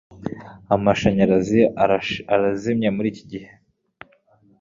Amashanyarazi arazimye muriki gihe.